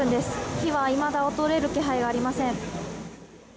火はいまだ衰える気配がありません。